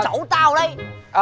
cháu tao đây